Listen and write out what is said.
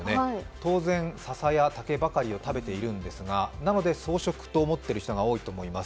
当然笹や竹ばかりを食べているんですが、なので、草食と思っている人が多いと思います。